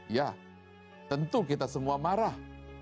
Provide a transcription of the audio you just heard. ya tentu kita semua marah